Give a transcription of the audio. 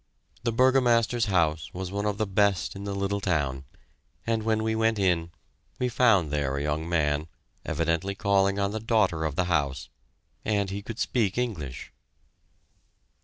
The Burgomaster's house was one of the best in the little town, and when we went in, we found there a young man, evidently calling on the daughter of the house, and he could speak English.